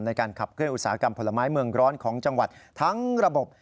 ในการขับเคลื่ออุตสาหกรรมผลไม้เมืองร้อนของจังหวัดทั้งระบบ